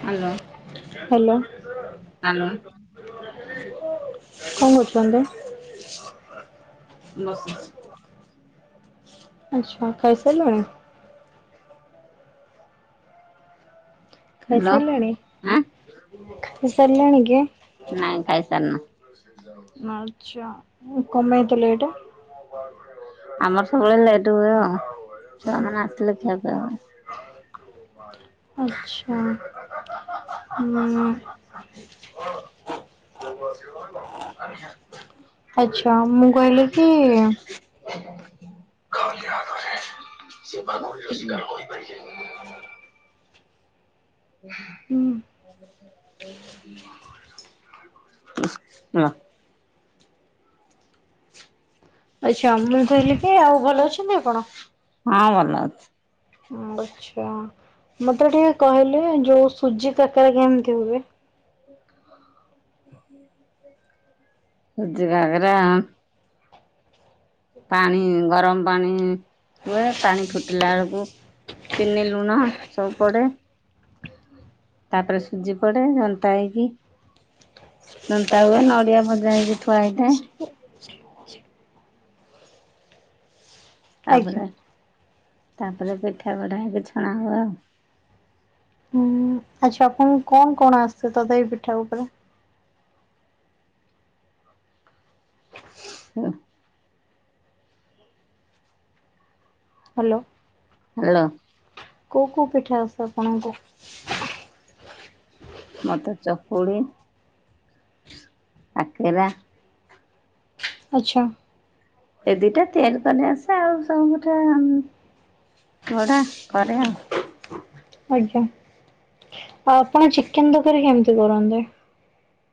Hello hello hello. କଣ [unintelligible] ବସିଚି। ଆଛା ଖାଇ ସାରିଲେଣି? ଖାଇସାରିଲଣି ଖାଇସାରିଲଣି କି? ନାଇଁ ଖାଇସାରିନୁ। ଆଛା। ଆମର ସବୁବେଳେ ଲେଟ ହୁଏ ଆଉ ଛୁଆମାନେ ଆସିଲେ ଖିଆ ପିଆ ଆଉ ଆଛା ହଁ। ହ କ ସେ ଆଉ ଆସିବନି ତ [unintelligible] ଆଛା ମୁଁ କହିଲି କି ହଁ। ସେ ବାଗର ଶିକାର ହୋଇପାରିବ। [unintelligible] ନାଁ। [inaudible] ଆଉ ଭଲ ଅଛନ୍ତି ଆପଣ ହଁ ଭଲ ଅଛି। ଆଛା। ମତେ ଟିକେ କହିଲେ ଯୋଉଁ ସୁଜି କାକାରା କେମିତି ହୁଏ? ସୁଜି କାକରା ପାଣି ଗରମ ପାଣି ହୁଏ ପାଣି ଫୁଟିଲା ବେଳକୁ ଚିନି ଲୁଣ ସବୁ ପଡେ ତାପରେ ସୁଜି ପଡେ ଜନ୍ତା ହେଇକି ଜନ୍ତା ହୁଏ ନଡିଆ ଭଜା ହେଇକି ଥୁଆ ହେଇଥାଏ। [unintelligible] ତାପରେ ତାପରେ ପିଠା ଗଢ଼ା ହେକି ଛଣା ହୁଏ ଆଉ। ହୁଁ ଆଛା ଆପଣଙ୍କୁ କଣ କଣ ଆସେ ତଥାପି ପିଠା ଉପରେ? ହୁଁ। ହାଲୋ। କୋଉଁ କୋଉଁ ପିଠା ଆସେ ଆପଣଙ୍କୁ? ମତେ ଚକୁଳି କାକେରା ଆଚ୍ଛା। ଏ ଦିଟା ତିଆରି କରି ଆସେ ଆଉ ସବୁଟା ଆଜ୍ଞା । ଆଉ ଆପଣ ଚିକେନ ତରକାରୀ କେମିତି କରନ୍ତି?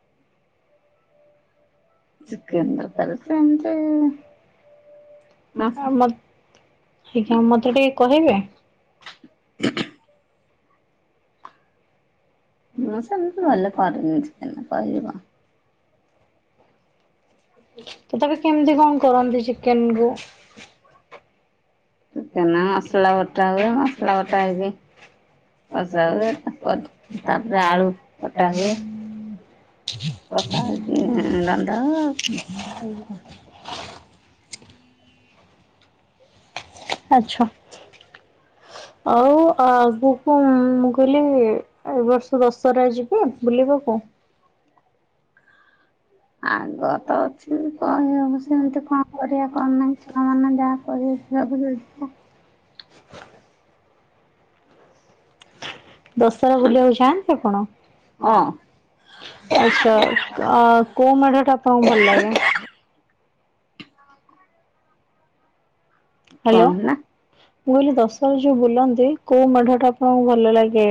ଚିକନ୍ ତରକାରୀ ସେମିତି ଆଜ୍ଞା ମତେ ଟିକେ କହିବେ? [inaudible] ମୁଁ ସେମିତି ଭଲ କରେନି ଚିକେନ କହିବି କଣ। ତେବେ କେମିତି କଣ କରନ୍ତି ଚିକେନ କୁ? ମସଲା ବଟାହୁଏ ମସଲା ବଟାହେଇକି [inaudible] କଷା ହେଉଛି ରାନ୍ଧହୁଏ ଆଉ କଣ ଆଜ୍ଞା। [inaudible] ଆଛା। ଆଉ ଆଗକୁ ମୁଁ କହିଲି ଏ ବର୍ଷ ଦଶହରା ଯିବି ବୁଲିବାକୁ । ଆଗ ତ ଅଛି କହିହେବ ସେମିତି କଣ କରିବା କଣ ନାହିଁ ଛୁଆ ମାନେ ଯାହା କରିବେ। [inaudible] [inaudible] ଦଶହରା ବୁଲିବାକୁ ଯଆନ୍ତି ଆପଣ? ଆଚ୍ଛା କୋଉଁ ମେଢଟା ଆପଣଙ୍କୁ ଭଲ ଲାଗେ? କଣ ହେଲା? ମୁଁ କହିଲି ଦଶହରା ଯୋଉ ବୁଲନ୍ତି କୋଉ ମେଢ଼ ଟା ଆପଣଙ୍କୁ ଭଲ ଲାଗେ?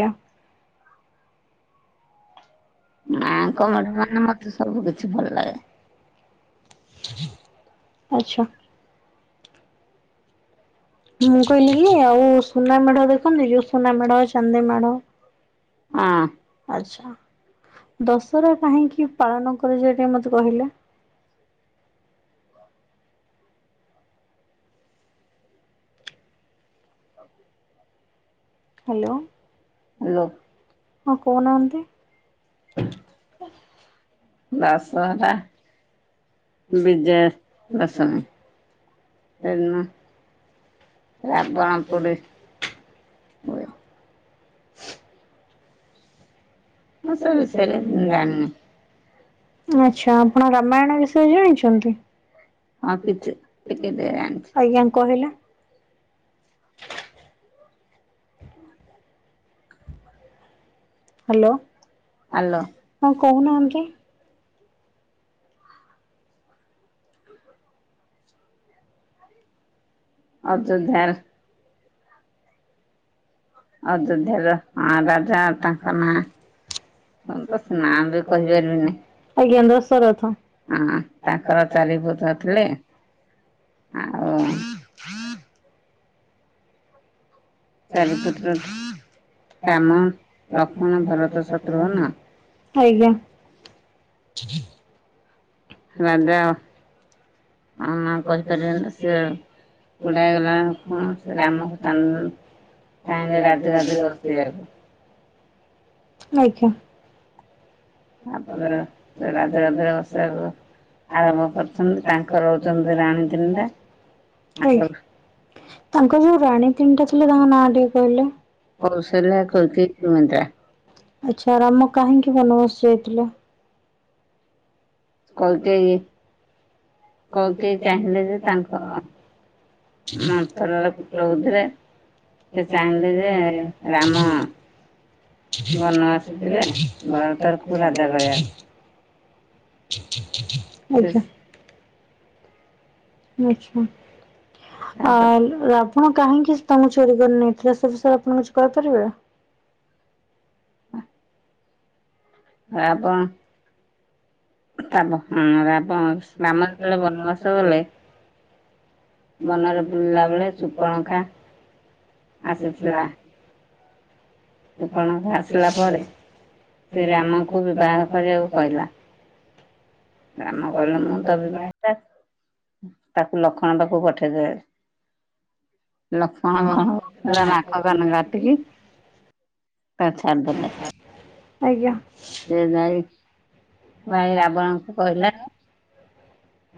ମାଆ ଙ୍କ ମେଢ଼ ମାନେ ମତେ ସବୁ କିଛି ଭଲ ଲାଗେ । ଆଚ୍ଛା । ମୁଁ କହିଲି କି ଆଉ ସୁନା ମେଢ ଦେଖନ୍ତି ଯୋଉ ସୁନା ମେଢ ଚାନ୍ଦି ମେଢ । ହଁ ଆଚ୍ଛା । ଦଶହରା କାହିଁକି ପାଳନ କରାଯାଏ ଟିକେ ମୋତେ କହିଲ? [inaudible] [inaudible] ଆଉ । ହ୍ୟାଲୋ ହଁ କହୁନାହାନ୍ତି । [inaudible] ଦଶହରା। ବିଜୟଦଶମି ହେ ଦିନ । [inaudible] ମୁଁ ସେ ବିଷୟରେ ମୁ ଜାଣିନି। ଆଛା ଆପଣ ରାମାୟଣ ବିଷୟରେ ଜାଣିଛନ୍ତି? ଆଜ୍ଞା କହିଲେ । [inaudible] ହ୍ୟାଲୋ ହଁ କହୁନାହାନ୍ତି? [inaudible] ଅଯୋଧ୍ୟା ର ରାଜା ତାଙ୍କ ନା । ସନ୍ତୋଷ ନାଁ ବି କହିପାରିବିନି । ହଁ ତାଙ୍କର ଚାରିିବୁଧ ଥିଲେ । ଆଉ ଚାରି ପୁତ୍ର ଥିଲେ । ରାମ, ଲକ୍ଷ୍ମଣ, ଭରତ, ଶତ୍ରୁଘ୍ନ ଆଜ୍ଞା ମଜା [unintelligible] [unintelligible] ତଙ୍କେ ରାଜଗାଦିରେ ବସିବାକୁ ଆଜ୍ଞା । ତାପରେ ସେ ରାଜା ଦେହ ଅସ ଆରମ୍ଭ କରିଛନ୍ତି ତାଙ୍କ ରହୁଛନ୍ତି ରାଣୀ ତିନଟା ତାଙ୍କ ସ ତାଙ୍କ ଯୋଉ ରାଣୀ ତିନିଟା ଥିଲେ ତାଙ୍କ ନାଁ ଟିକେ କହିଲେ? କୌଶଲ୍ୟା କୈକେୟୀ ସୁମିତ୍ରା। ଆଚ୍ଛା ରାମ କାହିଁକି ବନବାସ ଯାଇଥିଲେ? କୈକେୟୀ କୈକେୟୀ ଚାହିଁଲେ ଯେ ତାଙ୍କ ଅ ମନ୍ଥରା ପ୍ରବତି ରେ। ସେ ଚାହିଁଲେ ଯେ ରାମ ବନବାସ ଯିବେ ଭରତରକୁ ରାଜା କରେଇବାକୁ। ଆଚ୍ଛା। ଆଚ୍ଛା। ଅ ରାବଣ କାହିଁକି ସୀତା ଚୋରି କରି ନେଇଥିଲା ସେ ବିଷୟରେ ଆପଣ କିଛି କହିପାରିବେ? ରାବଣ ରାବଣ ରାମ ଯେତେବେଳେ ବନବାସ ଗଲେ। ବନରେ ବୁଲିଲା ବେଳେ ସୂପନାଖା ଆସିଥିଲା। ସୂପନାଖା ଆସିଲା ପରେ ସେ ରାମଙ୍କୁ [unintelligible] କହିଲା। ରାମ କହିଲେ ମୁଁ ତ ବିବାହିତ। ତାକୁ ଲକ୍ଷ୍ମଣ ପାଖକୁ ପଠେଇଦେଲେ। ଲକ୍ଷ୍ମଣ କଣ କଲାନା? ନାଟିକି ତାକୁ ଛାଡ଼ିଦେଲେ। ସେ ଯାଇ କ୍ ରାବଣଙ୍କୁ କହିଲା।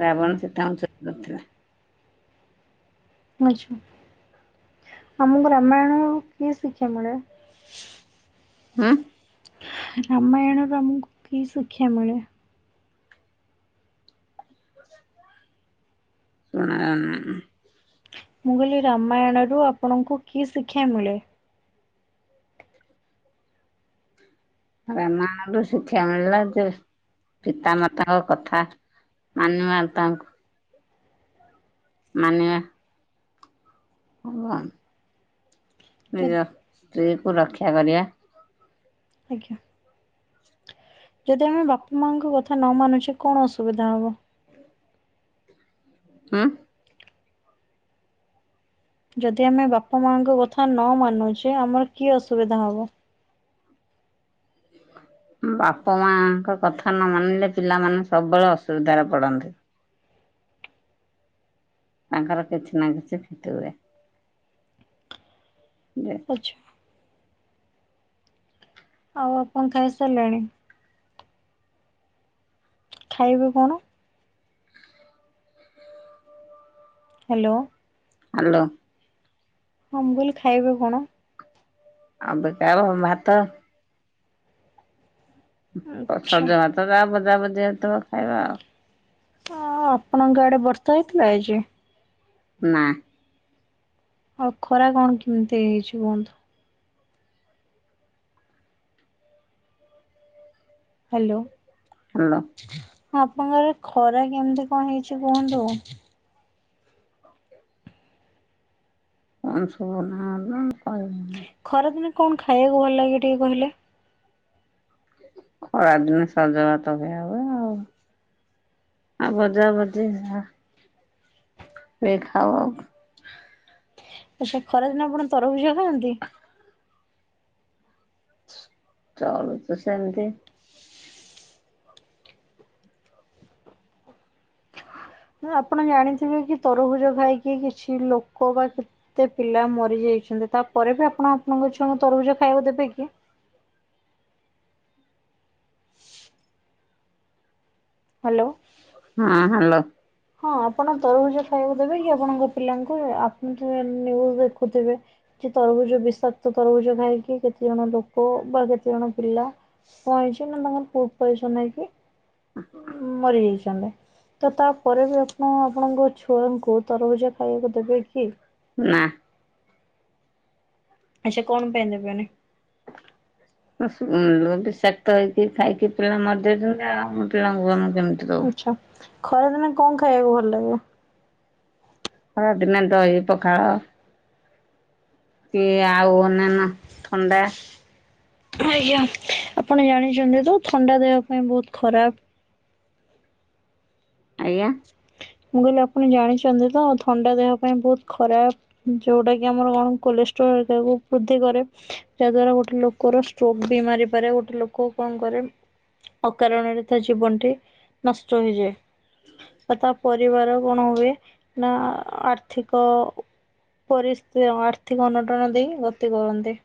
ରାବଣ ସୀତାଙ୍କୁ ଚୋରି କରିଥିଲେ। ଆଛା ଆମକୁ ରାମାୟଣ କିଏ ଶଚି ସମେଳେ। ହୁ। ରାମାୟଣରୁ ଆମକୁ କି ଶିକ୍ଷା ମିଳେ? ଶୁଣା ଉନ। ମୁଁ କହିଲି ରାମାୟଣରୁ ଆପଣଙ୍କୁ କି ଶିକ୍ଷା ମିଳେ। ରାମାୟଣରୁ ଶିକ୍ଷା ମିଳିଲା ଯୋଉ ପିତାମାତାଙ୍କ କଥା ମାନିବା ତା ମାନେ ହ ନିଜ ସ୍ତ୍ରୀ କୁ ରକ୍ଷା କରିବା ଆଜ୍ଞା ଯଦି ଆମେ ବାପା ମାଙ୍କ କଥା ନ ମାନୁଛେ କଣ ଅସୁ ସୁବିଧା ହବ। ଆଁ ଯଦି ଆମେ ବାପା ମାଙ୍କ କଥା ନ ମାନୁଛେ ଆମର କି ଅସୁବିଧା ହବ? ବାପା ମାଙ୍କ କଥା ନ ମାନିଲେ ପିଲାମାନେ ସବୁବେଳେ ଅସୁବିଧାରେ ପଡ଼ନ୍ତି। ତାଙ୍କର କିଛି ନା କିଛି ଭିିତରେ [unintelligible] ଆଉ ଆପଣ ଖାଇସାରିଲେଣି? ଖାଇବେ କଣ? ହ୍ୟାଲୋ? ଆଲୋ। ହଁ ମୁଁ ଲି ଖାଇବେ କଣ? ଆଉ [unintelligible] ଭାତ। [unintelligible] ଭାତ ଭଜା ଭଜି ହେଇଥିବ ଖାଇବା ଆଉ। ହଁ ଆପଣଙ୍କ ଆଡେ ଭର୍ତ୍ତା ହେଇଥିଲା କି ଆଜି? ନାଁ। ଆଉ ଖରା କଣ କେମିତି ହେଇଛି କୁହନ୍ତୁ? ହ୍ୟାଲୋ। ହଲ। ହ ଆପଣଙ୍କର ଖରା କେମିତି କଣ ହେଇଛି କୁହନ୍ତୁ। [inaudible] ଖରାଦିନେ କଣ ଖାଇବାକୁ ଭଲ ଲାଗେ ଟିକେ କହିଲେ? ଖରାଦିନେ ସଜବାତ ଖିଆହୁଏ ଆଉ। ହଁ ବଜାବଜି। ଦେଖାଅ। ଆଛା ଖରାଦିନ ଆପଣ ତରଭୁଜ ଖାଆନ୍ତି। ଚାଲୁ ତୁ ସେମିତି। ଆପଣ ଜାଣିଥିବେ କି ତରଭୁଜ ଖାଇକି କିଛି ଲୋକ ବା କେତେ ପିଲା ମରିଯାଇ ତାପରେ ବି ଆପଣ ଆପଣଙ୍କ ଛୁଆ ତରଭୁଜ ଖାଇବାକୁ ଦେବେ କି? ହ୍ୟାଲୋ। ହଁ ଆପଣ ତରଭୁଜ ଖାଇବାକୁ ଦେବେ କି ଆପଣଙ୍କ ପିଲାଙ୍କୁ ଆପଣ [unintelligible] ଦେଖୁଥିବେ। ଯେ ତରଭୁଜ ବିଷାକ୍ତ ତରଭୁଜ ଖାଇକି କେତେଜଣ ଲୋକ ବା କେତେଜଣ ପିଲା କଣ ପଏଜନ ପଏଜନ୍ ହେଇକି ମରିଯାଇଛନ୍ତି। ତ ତାପରେ ବି ଆପଣ ଆପଣଙ୍କ ଛୁଆଙ୍କୁ ତରଭୁଜ ଖାଇବାକୁ ଦେବେ କି? ନା। ଆଚ୍ଛା କଣ ପାଇ ନେବେନି? [inaudible] ଆଚ୍ଛା। ଖରା ଦିନେ କଣ ଖାଇବାକୁ ଭଲ ଲାଗେ? ଖରାଦିନେ ଦହି ପଖାଳ। [inaudible] ଆଜ୍ଞା ଆପଣ ଜାଣିଛନ୍ତି ତ ଥଣ୍ଡା ଦେହ ପାଇଁ ବହୁତ ଖରାପ। ଆଜ୍ଞା। ମୁଁ କହିଲି ଆପଣ ଜାଣିଛନ୍ତି ତ ଥଣ୍ଡା ଦେହ ପାଇଁ ବହୁତ ଖରାପ ଯୋଉଟା କି ଆମର କଣ କୋଲଷ୍ଟ୍ର ବୃଦ୍ଧି କରେ ଯାହା ଦ୍ଵାରା ଗୋଟେ ଲୋକର ଷ୍ଟ୍ରୋକ ବି ମାରିପାରେ ଗୋଟେ ଲୋକ କଣ କରେ ଅକାରଣରେ ତା ଜୀବନଟି ନଷ୍ଟ ହେଇଯାଏ। ତଥା ପରିବାର କଣ ହୁଏ ନା ଆର୍ଥିକ ପରିସ୍ଥିତି ଆର୍ଥିକ ଅନଟନ ଦେଇ ଗତି କରନ୍ତି।